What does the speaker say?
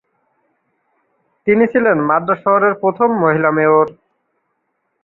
তিনি ছিলেন মাদ্রাজ শহরের প্রথম মহিলা মেয়র।